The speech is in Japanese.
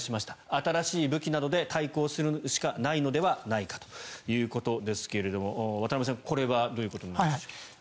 新しい武器などで対抗するしかないのではということですが渡部さんこれはどういうことでしょうか。